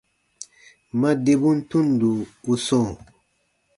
Ma debun tundo u sɔ̃ɔ.